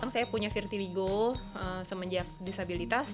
saya punya virtiligo semenjak disabilitas